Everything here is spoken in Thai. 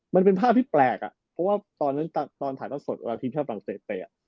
มันเป็นภาพที่แปลกอะเพราะว่าตอนนั้นตอนถ่ายตั้งสดทีมชาติฟรังเตย์ไปอะ